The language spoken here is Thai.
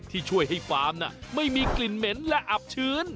ที่ช่วยให้ฟาร์มไม่มีกลิ่นเหม็นและอับชื้น